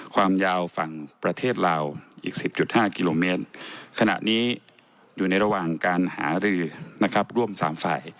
ความยาวฝั่งประเทศลาวอีก๑๐๕กิโลเมตรขณะนี้อยู่ในระหว่างการหารือนะครับร่วม๓ฝ่าย